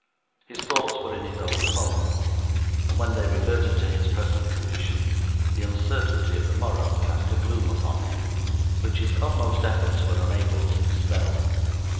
His thoughts were in his old home, and when they reverted to his present condition, the uncertainty of the morrow cast a gloom upon him, which his utmost efforts were unable to dispel.